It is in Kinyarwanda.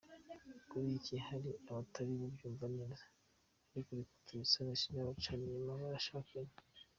Kuri iki hari abatari bubyumve neza, ariko reka tubisanishe n’abacana inyuma barashakanye.